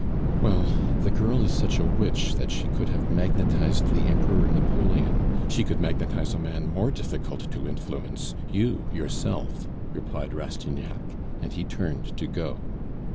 "Well, the girl is such a witch that she could have magnetized the Emperor Napoleon; she could magnetize a man more difficult to influence you yourself," replied Rastignac, and he turned to go.